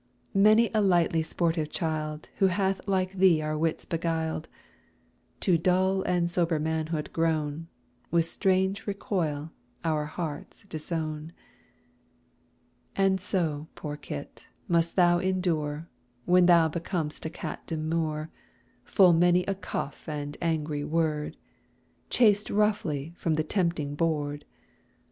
many a lightly sportive child, Who hath like thee our wits beguiled, To dull and sober manhood grown, With strange recoil our hearts disown. And so, poor kit! must thou endure, When thou becom'st a cat demure, Full many a cuff and angry word, Chased roughly from the tempting board.